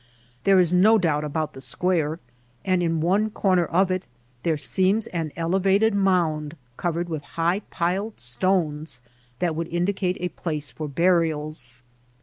There is no doubt about the square and in one corner of it there seems an elevated mound covered with high piled stones that would indicate a place for burials.